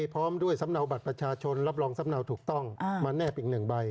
พร้อมด้วยสำเนาบัตรประชาชนรับรองสำเนาถูกต้องมาแนบอีก๑ใบ